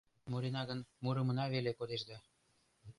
Мурена гын, мурымына веле кодеш да